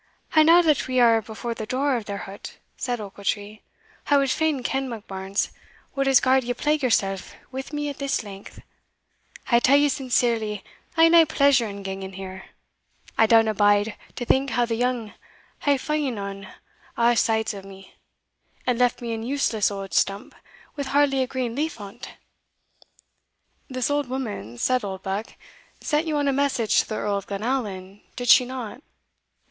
"And now that we are before the door of their hut," said Ochiltree, "I wad fain ken, Monkbarns, what has gar'd ye plague yoursell wi' me a' this length? I tell ye sincerely I hae nae pleasure in ganging in there. I downa bide to think how the young hae fa'en on a' sides o' me, and left me an useless auld stump wi' hardly a green leaf on't." "This old woman," said Oldbuck, "sent you on a message to the Earl of Glenallan, did she not?"